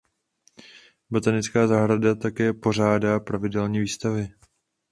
Botanická zahrada také pořádá pravidelně výstavy.